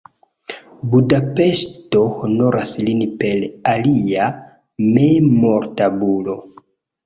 Budapeŝto honoras lin per alia memortabulo.